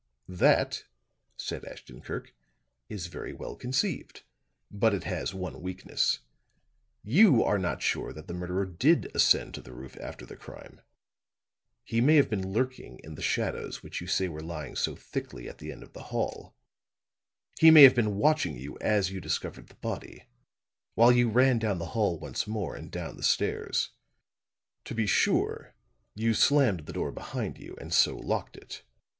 "That," said Ashton Kirk, "is very well conceived. But it has one weakness. You are not sure that the murderer did ascend to the roof after the crime. He may have been lurking in the shadows which you say were lying so thickly at the end of the hall. He may have been watching you as you discovered the body, while you ran down the hall once more and down the stairs. To be sure, you slammed the door behind you; and so locked it.